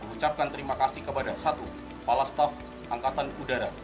mengucapkan terima kasih kepada satu bapak kepala staff angkatan udara